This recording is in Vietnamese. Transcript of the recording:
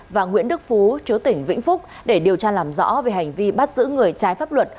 và nguyễn đức phú chú tỉnh vĩnh phúc để điều tra làm rõ về hành vi bắt giữ người trái pháp luật